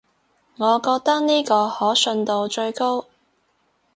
我覺得呢個可信度最高